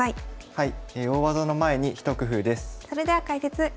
はい。